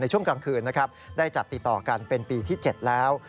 ในช่วงกลางคืนได้จัดติต่อกันเป็นปีที่๗แล้ว